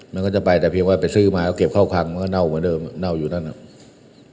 มันก็จะไปแต่เพียงว่าไปซื้อมาก็เก็บเข้าคังมันก็เน่าเหมือนเดิมเน่าอยู่นั่นอ่ะ